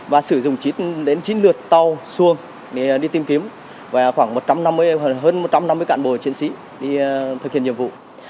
và sử dụng đến chín lượt tàu xuông để đi tìm kiếm và khoảng một trăm năm mươi hơn một trăm năm mươi cán bộ chiến sĩ đi thực hiện nhiệm vụ